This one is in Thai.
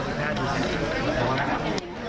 ผมว่าแต่ละครับ